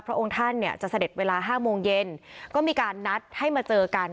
พระองค์ท่านจะเสด็จเวลา๕โมงเย็นก็มีการนัดให้มาเจอกัน